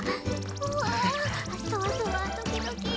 ほあそわそわドキドキ。